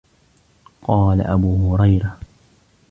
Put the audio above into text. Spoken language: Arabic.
قَالَ أَبُو هُرَيْرَةَ